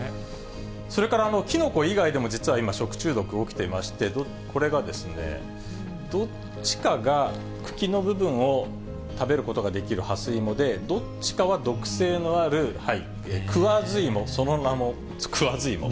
それからキノコ以外でも、実は今、食中毒起きていまして、これがどっちかが茎の部分を食べることができるハスイモで、どっちかは毒性のあるクワズイモ、その名もクワズイモ。